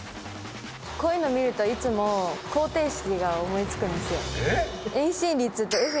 こういうの見るといつも方程式が思いつくんですよ。